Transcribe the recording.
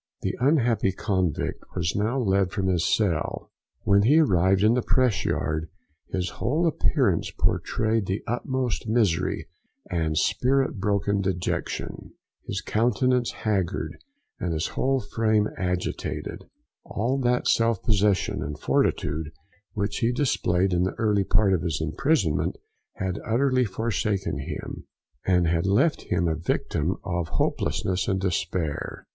The unhappy convict was now led from his cell. When he arrived in the press yard, his whole appearance pourtrayed the utmost misery and spirit broken dejection; his countenance haggard, and his whole frame agitated; all that self possesion and fortitude which he displayed in the early part of his imprisonment, had utterly forsaken him, and had left him a victim of hopelessness and despair.